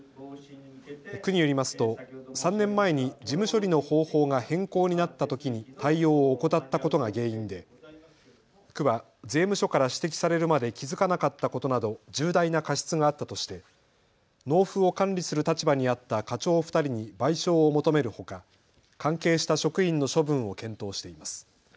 区によりますと３年前に事務処理の方法が変更になったときに対応を怠ったことが原因で区は税務署から指摘されるまで気付かなかったことなど重大な過失があったとして納付を管理する立場にあった課長２人に賠償を求めるほか関係した職員の処分を検討しています。